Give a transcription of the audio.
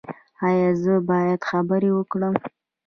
ایا زه باید خبرې وکړم؟